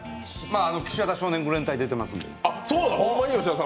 「岸和田少年愚連隊」に出ていますので。